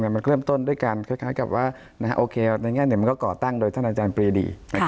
มันเริ่มต้นด้วยการคล้ายกับว่าโอเคในแง่หนึ่งมันก็ก่อตั้งโดยท่านอาจารย์ปรีดี